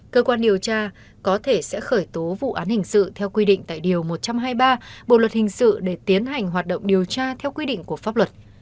cơ quan điều tra có thể sẽ khởi tố vụ án hình sự theo quy định tại điều một trăm hai mươi ba bộ luật hình sự để tiến hành hoạt động điều tra theo quy định của pháp luật